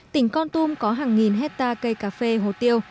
tỉnh con tum có hàng nghìn hectare cây cà phê hồ tiêu